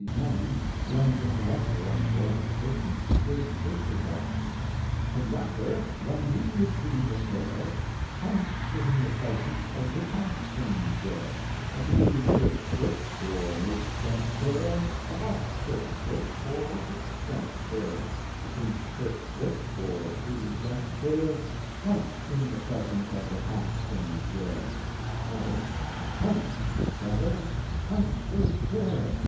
Handy lent intellectual and poetic assistance, with this result: Conductor, when you receive a fare, Punch in the presence of the passenjare! A blue trip slip for an eight cent fare, A buff trip slip for a six cent fare, A pink trip slip for a three cent fare. Punch in the presence of the passenjare! CHORUS Punch, brothers! Punch with care!